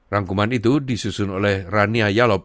rangkuman itu disusun oleh rania yalob